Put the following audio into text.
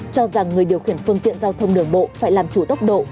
cho rằng người điều khiển phương tiện giao thông đường bộ phải làm chủ tốc độ